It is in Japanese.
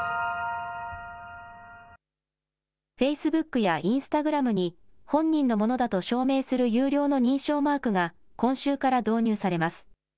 フェイスブックやインスタグラムに本人のものだと証明する有料の認証マークが今週から導入されます。